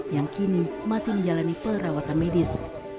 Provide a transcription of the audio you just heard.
yang kini masih menjalani perawatan medis